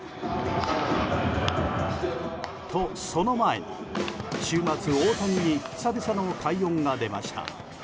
と、その前に週末大谷に久々の快音が出ました。